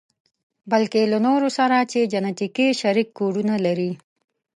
بلکې له نورو سره چې جنتیکي شريک کوډونه لري.